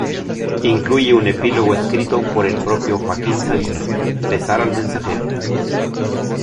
Incluye un epílogo escrito por el propio Joaquín Sabina, "Besar al mensajero".